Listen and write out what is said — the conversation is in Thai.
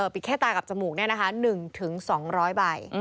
แค่ตากับจมูก๑๒๐๐ใบ